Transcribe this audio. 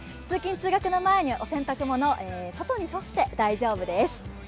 通勤・通学の前にお洗濯物、外に干して大丈夫です。